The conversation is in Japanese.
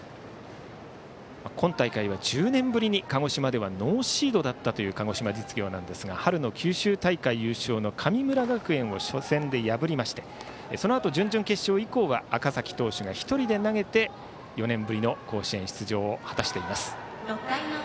今大会は１０年ぶりに鹿児島ではノーシードだったという鹿児島実業ですが春の九州大会優勝の神村学園を初戦で破りましてそのあと準々決勝以降は赤嵜投手が１人で投げて４年ぶりの甲子園出場を果たしています。